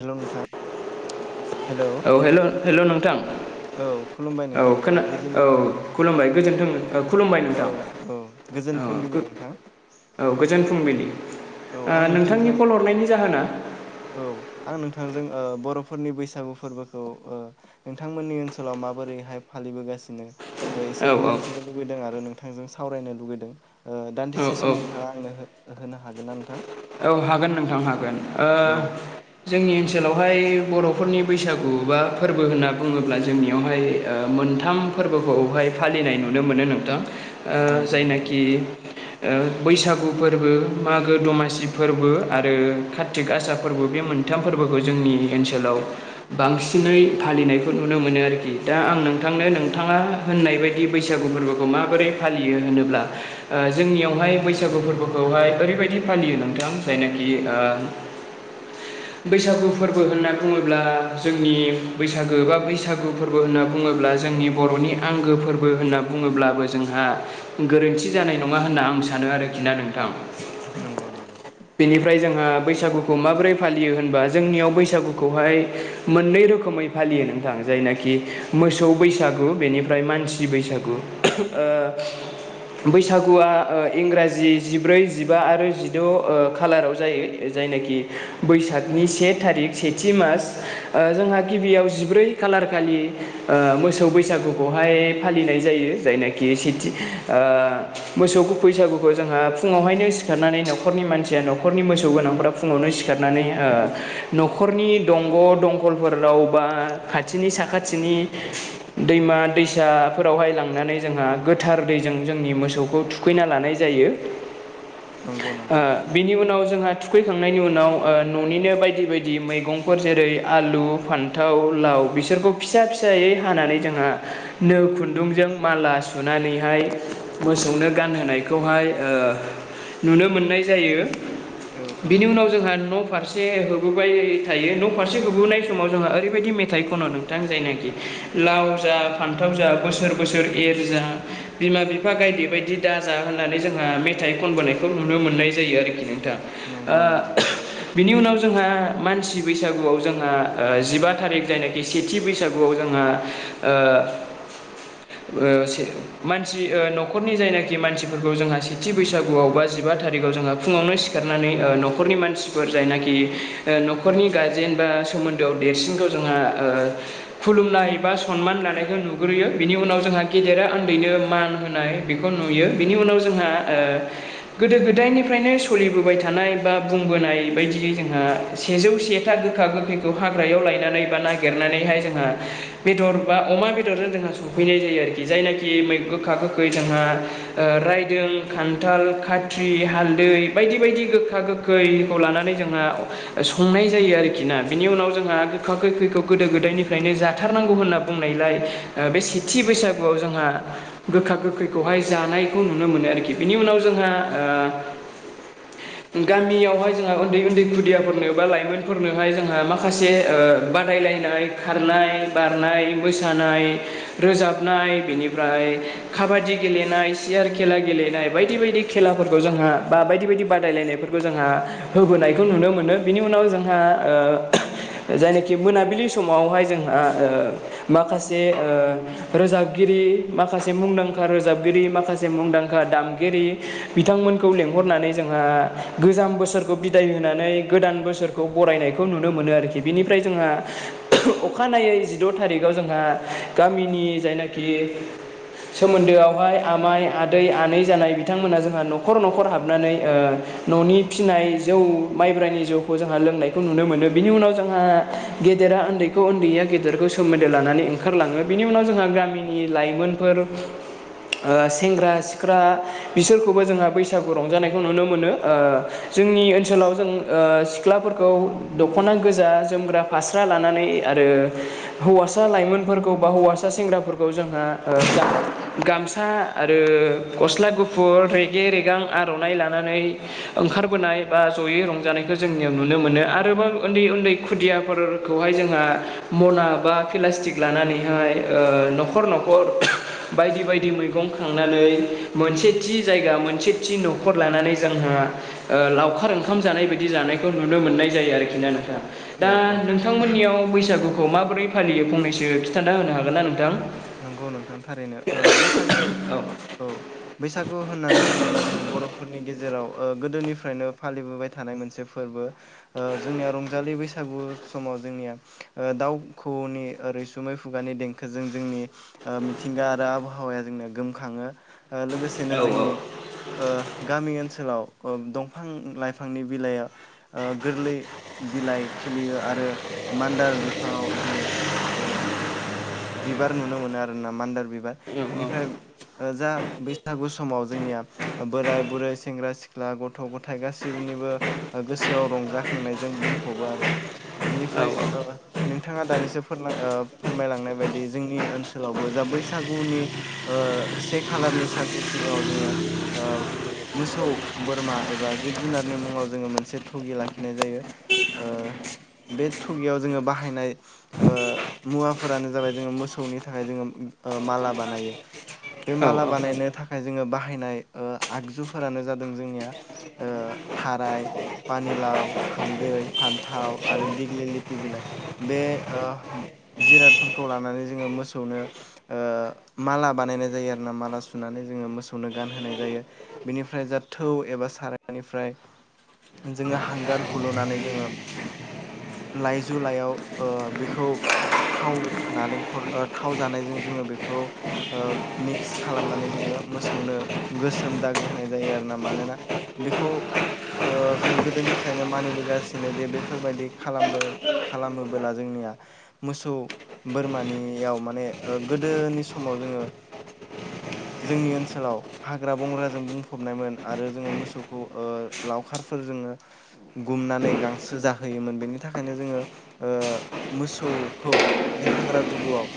Hello नोंथां hello औे हेल हेल' नोंथां औ खुलुमबाय औ नोंथां ओ खोना गोजोन औ खुलुमबाय गोजोन्थों औ खुलुमबाय औ नोंथां औ गोजोन औ गो फुंबिलि नोंथां औ गोजोन फुंबिलि औ आं नोंथांनि नोंथांजों कल हरनायनि जाहोना औ आं नोंथांजों बर'फोरनि बैसागु फोरबोखौ नोंथांमोननि ओनसोलाव माबोरैहाय फालिबोगासिनो एसे औ मोनथिनो लुबैदों आरो नों नोंथांजों सावरायनो लुगैदों ओ औ दान्दिसे सम औ नोंथाङा आंनो होनो हागोन ना नोंथां औ हागोन नोंथां हागोन औ जोंनि ओनसोलावहाय बर'फोरनि बैसागु बा फोरबो होनना बुङोब्ला जोंनियावहाय ओ मोनथाम फोरबोखौहाय फालिनाय नुनो मोनो नोंथां नंगौ नंगौ जायनाखि बैसागु फोरबो मागो दमासि फोरबो आरो कार्तिक गासा फोरबो बे मोनथाम फोरबोखौ जोंनि ओनसोलाव बांसिनै फालिनायखौ नुनो मोनो आरोखि दा आं नोंथांनो नोंथाङा होननाय बायदि बैसागु फोरबोखौ माबोरै फालियो होनोब्ला ओ जोंनियावहाय बैसागु फोरबोखौहाय ओरैबायदि फालियो नोंथां थां जायनाखि ओ [inaudible] बैसागु फोरबो होनना बुङोब्ला जोंनि बैसागो बा बैसागु फोरबो होनना बुङोब्ला जोंनि बर'नि आंगो फोरबो होनना बुङोब्लाबो जोंहा गोरोन्थि जानाय नङा होनना आं सानो सानो आरोखि ना नोंथां नंगौ नंगौ बेनिफ्राय जोंहा बैसागुखौ माबोरै फालियो होनबा जोंनियाव बैसागुखौहाय मोननै रोखोमै फालियो नोंथां जायनाखि मोसौ बैसागु बेनिफ्राय मानसि बैसागु बैसागुआ ओ इंराजि जिब्रै जिबा आरो जि द' ओ खालाराव जायो जायनाखि बैसागनि से थारिख सेथि मास ओ जोंहा गिबियाव जिब्रै खालार खालि ओ मोसौ बैसागुखौहाय फालिनाय जायो जायनाखि सेथि ओ मोसौखौ बैसागुखौ जोंहा फुङावहायनो सिखारनानै न'खरनि मानसिया न'खरनि मोसौ गोनांफोरा फुङावनो सिखारनानै ओ न'खरनि दंग' दं लाफोराव बा खाथिनि साखाथिनि दैमा दैसाफोरावहाय लांना नै जोंहा गोथार दैजों जोंनि मोसौखौ थुखैना लानाय जायो नंगौ नं ओ बिनि उनाव जोंहा थुखैखांनायनि उनाव ओ न'निनो बायदि बायदि मैगंफोर जेरै आलु फान्थाव लाव बिसोरखौ फिसा फिसायै हानानै जोंहा नो खुन्दुंजों माला सुनानैहाय मोसौनो गानहोनायखौहाय ओ नुनो मोननाय जायो औ औ बिनि उनाव जोंहा न' फारसे होबोबाय थायो न' फारसे होबोनाय समाव जोंहा ओरैबायदि मेथाइ खन नोंथां जायनाखि लाव जा फान्थाव जा बोसोर बोसोर एर जा बिमा बिफा गायदे बायदि दाजा होननानै जोंहा मेथाइ खनबोनायखौ नुनो मोननाय जायो आरोखि नोंथां ओ नंगौ नंगौ बिनि उनाव जोंहा मानसि बैसागुवाव जोंहा ओ जिबा थारिख जायनाखि सेथि बैसागुवाव जों जोंहा ओ ओ से मानसि ओ न'खरनि जायनाखि मानसिफोरखौ जोंहा सेथि बैसागुवाव बा जिबा थारि आव जोङो फुङावनो सिखारनानै न'खरनि मानसिफोर जायनाखि न'खरनि गार्जेन बा सोमोन्दोआव देरसिनखौ जोंहा ओ खुलुमनाय बा सनमान लानायखौ नुग्रोयो बिनि उनाव जों हा गेदेरा उन्दैनो मान होनाय बेखौ नुयो बिनि उनाव जोंहा ओ गोदो गो दायनिफ्रायनो सोलिबोबाय थानाय बा बुंबोनाय बायदियै जोंहा सेजौ सेथा गोखा गोखै हाग्रायाव लायनानै बा नागिरनानैहाय जोंहा बेदर बा अमा बेदरजों जोंहा संफैनाय जायो आरोखि जायनाखि गोखा गोखै जोंहा ओ रायदों खान्थाल खा थ्रि हाल्दै बायदि बायदि गोखा गोखैखौ लानानै जोंहा संनाय जायो आरोखि ना बिनि उनाव जोंहा गोखा गोखैखौ गोदो गोदायनिफ्रायनो जाथारनांगौ होनना बुंनायलाय ओ बे सेथि बैसागुआव जोंहा गोखा गोखैखौहाय जानायखौ नुनो मोनो आरोखि बिनि उनाव जोंहा ओ [inaudible] गामियावहाय जोंहा उन्दै उन्दै खुदियाफोरनो बा लाइमोनफोरनोहाय जोंहा माखासे ओ बादाय लायनाय खारनाय बारनाय मोसानाय रोजाबनाय बेनिफ्राय काबादि गेलेनाय सियार खेला गेलेनाय बायदि बायदि खेलाफोरखौ जोंहा बा बायदि बायदि बादायलायनायफोरखौ जोंहा होबोनायखौ नुनो मोनो बिनि उनाव जोंहा ओ जायनाखि मोनाबिलि समावहाय जोंहा ओ माखासे ओ रोजाबगिरि माखासे मुंदांखा रोजाबगिरि माखासे मुंदांखा दामगिरि बिथांमोनखौ लेंहरनानै जोंहा गोजाम बोसोरखौ बिदाय होनानै गोदान बोसोरखौ बरायनायखौ नुनो मोनो आरोखि बेनिफ्राय जोंहा अखानायै जिद' थारिखआव जोंहा गामिनि जायनाखि सोमोन्दोआवहाय आमाय आदै आनै जानाय बिदि बिथांमोना जोंहा न'खर न'खर हाबनानै ओ न'नि फिसिनाय जौ माइब्रानि जौखौ जोंहा लोंनायखौ नुनो मोनो बिनि उनाव जोंहा गेदेरा उन्दैखौ उन्दैया गेदेरखौ सोमोन्दो लाना नै ओंखारलाङो बेनि उनाव जोंहा गामिनि लाइमोनफोर ओ सेंग्रा सिख्ला बिसोरखौबो जोंहा बैसागु रंजानायखौ नुनो मोनो ओ जोंनि ओनसोलाव जों ओ सिख्लाफोरखौ दख'ना गोजा जोमग्रा फास्रा लानानै आरो हौवासा लाइमोनफोरखौ बा हौवासा सेंग्राफोरखौ जोंहा ओ गा मसा आरो गस्ला गुफुर रेगे रेगां आर'नाइ लानानै ओंखारबोनाय बा जयै रंजानायखौ जोंनियाव नुनो मोनो आरोबा उन्दै उन्दै खुदियाफोरखौहाय जोंहा मना बा पिलास्टिक लानानैहाय ओ न'खर न'खर बायदि बायदि मैगं खांनानै मोनसे थि जायगा मोनसे थि न'खर लानानै जोंहा लावखार ओंखाम जानाय बायदि जानायखौ नुनो मोनो। मोननाय जायो आरोखि ना नोंथा। औ दा औ नोंथांमोननियाव बैसागुखौ माबोरै फालियो फंनैसो खिन्थाना होनो हागोन ना नोंथां। नंगौ नोंथां थारैनो ओ बैसागु औ बैसागु बैसागु होननानै बुङोब्ला जोङो बर'फोरनि गेजेराव गोदोनिफ्रायनो फालिबोबाय थानाय मोनसे फोरबो ओ जोंनिया रंजालि बैसागु समाव जोंनिया ओ दाउखौनि रैसुमै खुगानि देंखोजों जोंनि ओ मिथिंगा आरो आबहावाया जोंनो गोमखाङो लोगोसेनो जोंनि ओ गामि ओनसोलाव दंफां लाइफांनि बिलाइआ ओ गोरलै बिलाइ खिलियो आरो मान्दार बिफाङाव जोङो ओ बिबार नुनो मोनो आरोना मान्दार बिबार बेनिफ्राय जा बैसागु समाव जोंनिया बोराइ बुरै, सेंग्रा सिख्ला, गथ' गथाय गासैबो नि गोसोआव रंजाखांनायजों बुंफबो आरो औ बेनिफ्राय नोंथाङा दानिसो फोरमायलांनाय बायदि जोंनि ओनसोलावबो जा बैसागुनि ओ से खालारनि सानसे सिगाङाव जोङो ओ मोसौ बोरमा एबा जिब जुनारनि मुङाव जोङो मोनसे थुगि लाखिनाय जायो। ओ बे थुगियाव जोङो बाहायनाय ओ मुवाफोरानो जाबाय जोङो मो सौनि थाखाय जोङो माला बानायो बे औ माला बानायनो थाखाय जोङो बानाय आगुफोरानो जादों जोंनि थाराइ फानिलाव, हालै, फान्थाव आरो दिगलि लति बिलाइ बे ओ जिराद फोर लानानैनो जोङो मोसौनो ओ माला बानायनाय जायो आरोना माला सुनानै जोङो मोसौनो गानहोनाय जायो। बेनिफ्राय जा थौ एबा सारनिफ्राय जोङो हांगार हुलुनानै जोङो। लाइजु लाइयाव बेखौ थाव नालें थाव जानायजों जोङो बेखौ ओ मिक्स खालामनानै जोङो मोसौनो गोसोम दागो होनाय जायो आरोना मानोना बेखौ जों गोदोनिफ्रायनो मानिबोगासिनो जे बेफोरबायदि खालामबो खालामबोला जोंनि मोसौ बोरमानि याव माने गोदोनि समाव जोङो जोंनि ओनसोलाव हाग्रा बंग्राजों बुंफबनायमोन आरो जोङो मोसौखौ लावखारफोरजों गुमनानै गांसो जाहोयोमोन बेनि थाखायनो जोङो ओ मोसौ खौ बे हाग्रा गुदुआव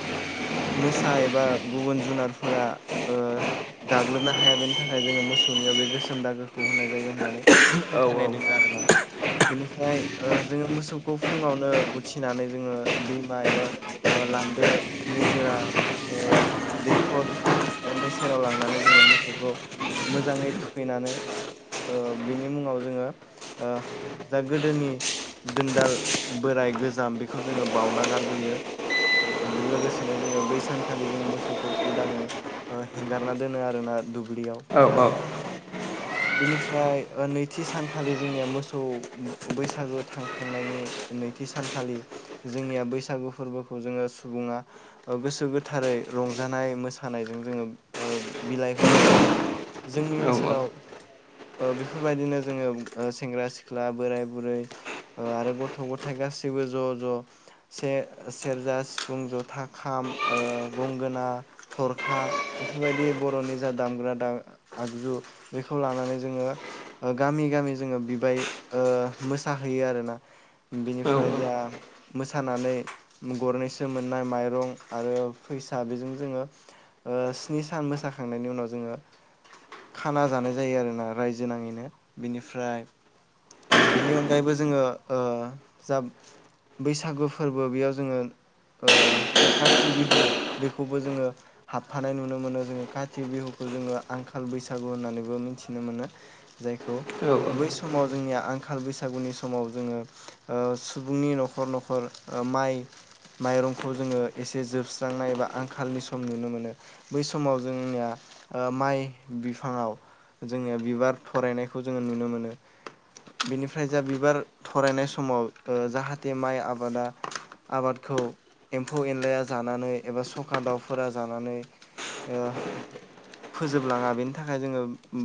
मोसा एबा गुबुन जुनारफोरा ओ गाग्लोबनो हाया बेनि थाखाय जोङो मोसौ बे गोसोम दागोखौ होननाय जायो होननानै औ फोथायनाय दङ आरोना बेनिफ्राय ओ जोङो मोसौखौ फुङावनो उथिनानै जोङो दैमा एबा बानदो निजोर, दैखर बेफोरनि सेराव लांनानै जोङो मोसौखौ मोजाङै थुखैनानै बिनि मुङाव जोङो दा गोदोनि दोनदाल बोराय गोजाम बेखौ जोङो बावउना गारबोयो। बे लोगोसेनो जोङो बै सानखालि जों मोसौखौ उदाङै हेंगारना दोनो आरोना। दुब्लियाव औ औ फोथाराव बेनिफ्राय नैथि सानखालि जोंनिया मोसौ बैसागो थांखांनायनि नैथि सानखालि जोंनिया बैसागु फोरबोखौ जोङो सुबुङा गोसो गोथारै रंजानाय मोसानायजों जोङो बिलाइ हरो आरो। जोंनि ओनसोलाव ओ बेफोरबायदिनो जोङो सेंग्रा सिख्ला बोराय बुरै ओ आरो गथ' गथाय आरो गासिबो ज' ज' सेर्जा सिफुं, ज'था, खाम, गंगोना, थरखा बेफोरबायदि बर'नि जा दाम [unintelligible] आगजु बेखौ लानानै जोङो गामि गामि जों बिबाय मोसाहैयो आरोना बिनिफ्राय जा मोसानानै गरनैसो मोननाय माइरं आरो फैसा बेजों जोङो स्नि सान मोसाखांनायनि उनाव जों खाना जानाय जायो आरोना रायजो नाङैनो बिनिफ्राय बेनि अनगायैबो ओ जोङो जा बैसागु फोरबो बेयाव जोङो जा काति बिहु बेखौबो जोङो हाबफानाय नुनो मोनो जोङो काति बिहुखौ जोङो आंखाल बैसागु होननानैबो मिथिनो मोनो जायखौ औ बै समाव जोंनिया आंखाल बैसागुनि समाव जोङो ओ सुबुंनि न'खर न'खर माइ माइरंखौ जोङो एसे जोबस्रांनाय एबा आंखालनि सम नुनो मोनो बै समाव जोंनिया माइ बिफाङाव जोङो बिबार थरायनायखौ जोङो नुनो मोनो बिनिफ्राय जा बिबार थरायनाय समाव जाहाथे माइ आबादा आबाद खौ एम्फौ एनलाया जानानै एबा सखा दाउफोरा जानानै ओ फोजोबलाङा बेनि थाखाय जोङो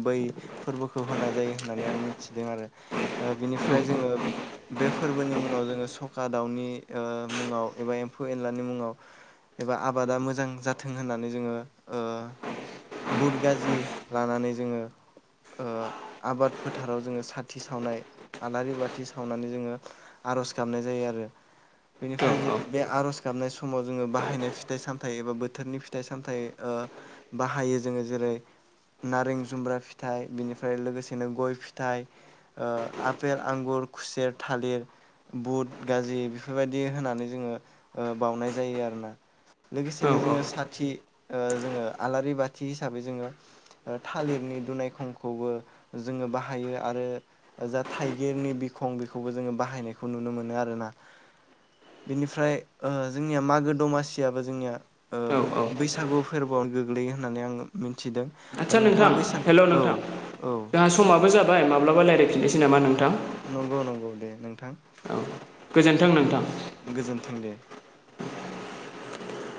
बै फोरबोखौ होनाय जायो होननानै आं मिथिदों आरो ओ बिनिफ्राय जोङो बे फोरबोनि मुङाव जोङो सखा दाउनि मुङाव एबा एम्फौ एनलानि मुङाव एबा आबादा मोजां जाथों होननानै जोङो बुट गाजि लानानै जोङो ओ आबाद फोथाराव जोङो साथि सावनाय आलारि बाथि सावनानै जोङो आर'ज गाबनाय जायो आरो बेनिफ्राय जो आर'ज गाबनाय समाव जोङो बाहायनाय फिथाइ सामथाइ एबा बोथोरनि फिथाइ सामथाइ बाहायो जों जोङो जेरै नारें जुम्ब्रा फिथाइ बिनिफ्राय लोगोसेनो गय फिथाइ ओ आफेल आंगुर खुसेर थालिर बुट गाजि बेफोरबायदि होनानै जोङो ओ बावनाय जायो आरोना लोगोसेनो जोङो औ साथि ओ जोङो आलारि बाथि हिसाबै जोङो थालिरनि दुनाय खंखौबो जोङो बाहायो आरो जा थाइगिरनि बि खौ बेखौबो जोङो बाहायनायखौ नुनो मोनो आरो ना बिनिफ्राय ओ जोंनिया मागो दमासियाबो जोंनिया ओ बैसागु फोरबो फोरबोयाव गोग्लैयो होननानै आङो मिथिदों आदसा नोंथां नोंथाङा बैसागु हेल' औ नोंथां औ जोंहा समाबो जाबाय माब्लाबा रायलायफिननोसै नामा नोंथां नंगौ नंगौ दे नोंथां औ गोजोन्थों औ नोंथां गोजोनथों दे